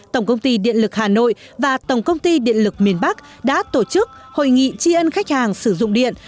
tổng công ty điện lực hà nội và tổng công ty điện lực miền bắc đã tổ chức hội nghị tri ân khách hàng sử dụng điện